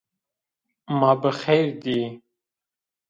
Ma bixeyr dî